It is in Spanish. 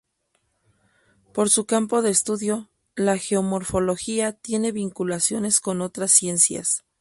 Por su campo de estudio, la geomorfología tiene vinculaciones con otras ciencias.